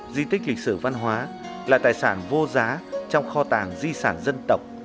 di tích lịch sử văn hóa là tài sản vô giá trong kho tàng di sản dân tộc